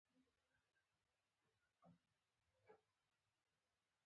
چې د کانسولټېشن د پاره دې څوک ارولېږي.